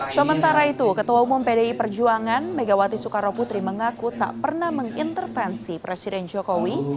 sementara itu ketua umum pdi perjuangan megawati soekarno putri mengaku tak pernah mengintervensi presiden jokowi